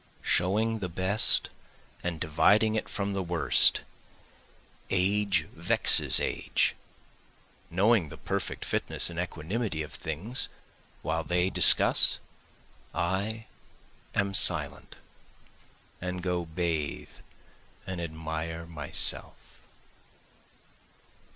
Showing the best and dividing it from the worst age vexes age, Knowing the perfect fitness and equanimity of things, while they discuss I am silent, and go bathe and admire myself.